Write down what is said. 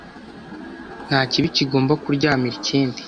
nta kiba kigomba kuryamira ikindi,